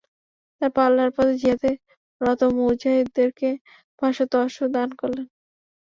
তারপর আল্লাহর পথে জিহাদে রত মুজাহিদদেরকে পাঁচশত অশ্ব দান করলেন।